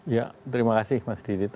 ya terima kasih mas didit